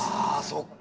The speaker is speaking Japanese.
そっか！